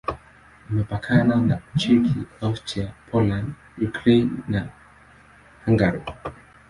Imepakana na Ucheki, Austria, Poland, Ukraine na Hungaria.